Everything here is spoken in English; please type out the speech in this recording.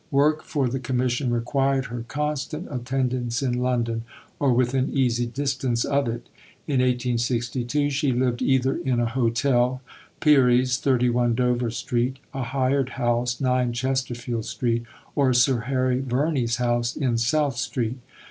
Work for the Commission required her constant attendance in London or within easy distance of it. In 1862 she lived either in a hotel (Peary's, 31 Dover Street), a hired house (9 Chesterfield Street), or Sir Harry Verney's house in South Street.